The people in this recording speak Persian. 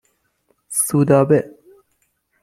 سودابه